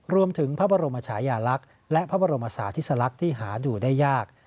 รวมถึงพระบรมชายาลักษณ์และพระบรมศาธิสลักษณ์ที่หาดูได้ยาก